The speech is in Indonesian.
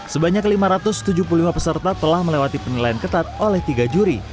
sebanyak lima ratus tujuh puluh lima peserta telah melewati penilaian ketat oleh tiga juri